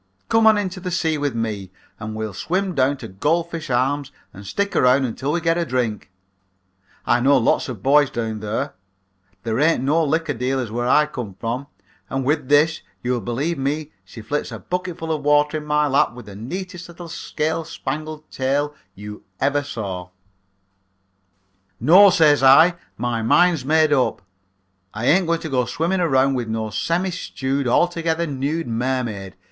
Come on into the sea with me and we'll swim down to Gold Fish Arms and stick around until we get a drink. I know lots of the boys down there. There ain't no liquor dealers where I come from,' and with this if you will believe me she flips a bucket full of water into my lap with the neatest little scale spangled tail you ever seen. "'No,' says I, 'my mind's made up. I ain't agoing to go swimming around with no semi stewed, altogether nude mermaid.